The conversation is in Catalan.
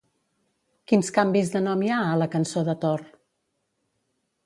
Quins canvis de nom hi ha a la Cançó de Thor?